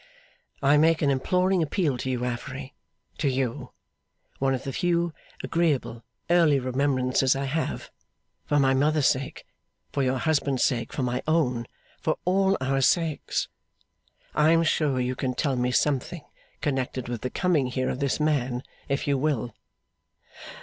'I make an imploring appeal to you, Affery, to you, one of the few agreeable early remembrances I have, for my mother's sake, for your husband's sake, for my own, for all our sakes. I am sure you can tell me something connected with the coming here of this man, if you will.